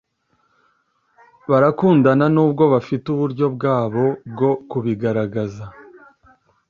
barakundana nubwo bafite uburyo bwabo bwo kubigaragaza